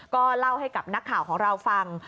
ก็เล่าให้กับนักข่าวของเราฟัง